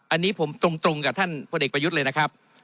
อันนี้ผมตรงกับท่านพลเอกประยุทธ์เลยนะครับ